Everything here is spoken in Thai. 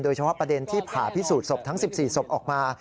ประเด็นที่ผ่าพิสูจนศพทั้ง๑๔ศพออกมา